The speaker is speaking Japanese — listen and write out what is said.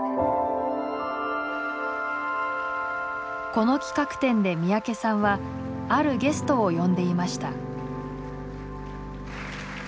この企画展で三宅さんはあるゲストを呼んでいました。